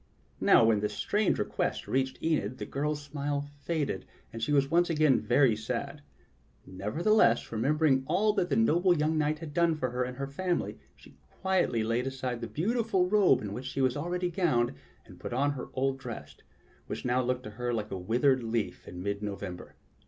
Now when this strange request reached Enid, the girl's smile faded, and she was once again very sad; nevertheless, remembering all that the noble young knight had done for her and her family, she quietly laid aside the beautiful robe in which she was already govmed and put on her old dress, which now looked to her like a withered leaf in mid November.